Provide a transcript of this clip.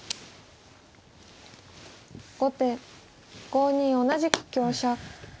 後手５二同じく香車。